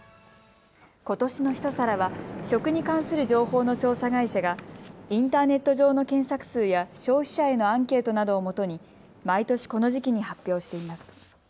今年の一皿は食に関する情報の調査会社がインターネット上の検索数や消費者へのアンケートなどをもとに毎年この時期に発表しています。